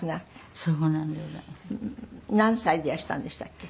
何歳でいらしたんでしたっけ？